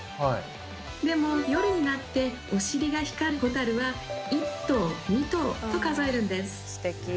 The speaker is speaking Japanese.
でも夜になってお尻が光るホタルは１灯２灯と数えるんです。